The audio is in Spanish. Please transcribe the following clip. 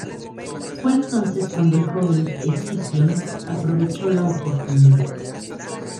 Fue entonces cuando el joven Escipión aprovechó la oportunidad.